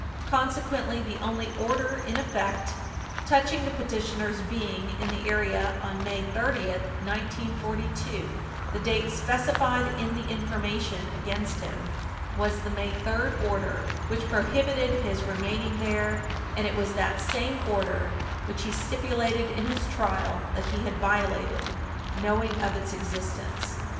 Consequently, the only order in effect touching the petitioner's being in the area on May 30, 1942, the date specified in the information against him, was the May 3 order which prohibited his remaining there, and it was that same order which he stipulated in his trial that he had violated, knowing of its existence.